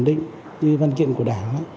môi trường hòa bình ổn định như văn kiện của đảng